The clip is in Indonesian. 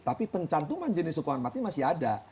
tapi pencantuman jenis hukuman mati masih ada